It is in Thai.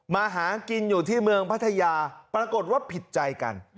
มาหากินอยู่ที่เมืองพัทยาปรากฏว่าผิดใจกัน